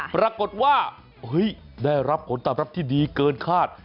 ปรากฏว่าได้รับผลตอบรับที่ดีเกินคาด